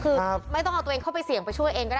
คือไม่ต้องเอาตัวเองเข้าไปเสี่ยงไปช่วยเองก็ได้